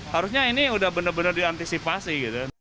harusnya ini sudah benar benar diantisipasi